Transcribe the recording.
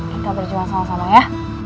kita berjuang sama sama ya